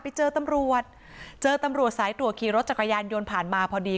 ไปเจอตำรวจเจอตำรวจสายตรวจขี่รถจักรยานยนต์ผ่านมาพอดี